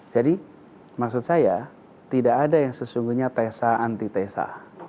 jadi maksud saya tidak ada yang sesungguhnya tesa anti tesa